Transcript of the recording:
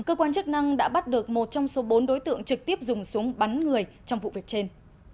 cơ quan chức năng đã bắt được một trong số bốn đối tượng trực tiếp dùng súng bắn người trong vụ việc trên